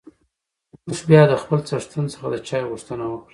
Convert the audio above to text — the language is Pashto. اوښ بيا د خپل څښتن څخه د چای غوښتنه وکړه.